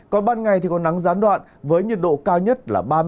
còn ban ngày thì có nắng gián đoạn với nhiệt độ cao nhất